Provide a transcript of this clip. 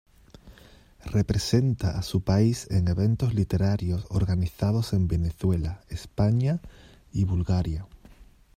Representa a su país en eventos literarios organizados en Venezuela, España y Bulgaria.